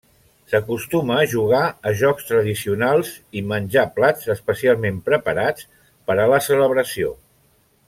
S'acostuma a jugar a jocs tradicionals i menjar plats especialment preparats per a la celebració.